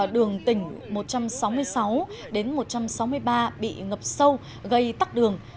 đường tỉnh một trăm sáu mươi sáu đến một trăm sáu mươi ba bị ngập sâu gây tắc đường